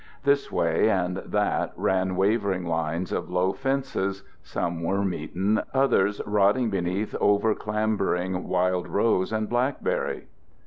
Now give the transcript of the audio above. This way and that ran wavering lines of low fences, some worm eaten, others rotting beneath over clambering wild rose and blackberry.